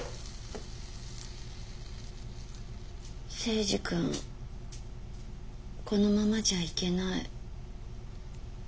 征二君このままじゃいけない。